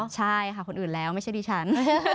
ใช่ค่ะคนอื่นแล้วไม่ใช่ดิฉัน